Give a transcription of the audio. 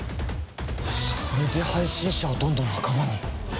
それで配信者をどんどん仲間に？